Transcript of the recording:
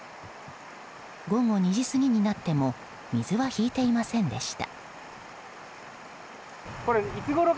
午後２時過ぎになっても水は引いていませんでした。